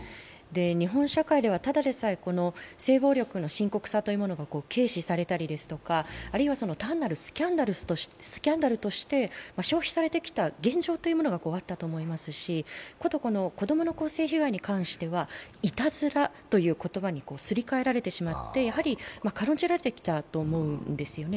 日本社会ではただでさえ性暴力の深刻さというのが軽視されたりだとかあるいは単なるスキャンダルとして消費されてきた現状があったと思いますし、こと子供の性被害に関してはいたずらという言葉にすり替えられてしまって軽んじられてきたと思うんですよね。